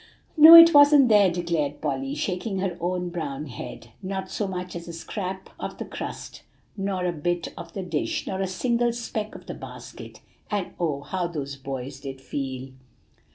"No, it wasn't there," declared Polly, shaking her brown head, "not so much as a scrap of the crust, nor a bit of the dish, nor a single speck of the basket. And oh, how those boys did feel!"